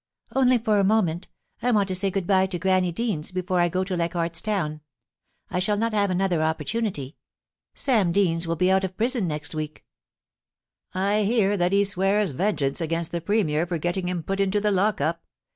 * Only for a moment I want to say good bye to Grannie Deans before I go to Leichardt's Town. I shall not have an other opportunity. Sam Deans will be out of prison next week.* * I hear that he swears vengeance against the Premier for getting him put into the lock up.